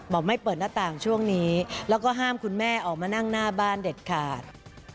ไม่เปิดหน้าต่างช่วงนี้แล้วก็ห้ามคุณแม่ออกมานั่งหน้าบ้านเด็ดขาด